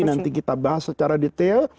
nanti kita bahas secara detail